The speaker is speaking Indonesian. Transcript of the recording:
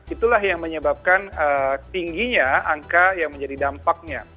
itulah yang menyebabkan tingginya angka yang menjadi dampaknya